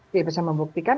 tidak bisa membuktikan